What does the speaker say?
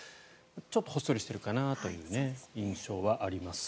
ちょっとほっそりしているかなという印象はあります。